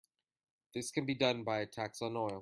This can be done by a tax on oil.